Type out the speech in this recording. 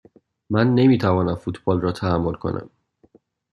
من نمی توانم فوتبال را تحمل کنم.